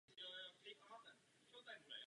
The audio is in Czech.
Řád se dělí na čtyři třídy.